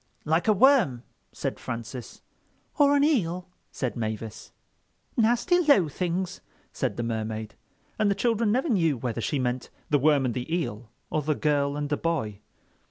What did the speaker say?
"Like a worm," said Francis. "Or an eel," said Mavis. "Nasty low things," said the Mermaid; and the children never knew whether she meant the worm and the eel, or the girl and the boy.